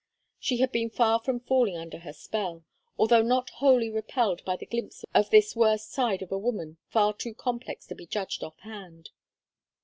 She had been far from falling under her spell, although not wholly repelled by the glimpse of this worst side of a woman far too complex to be judged off hand.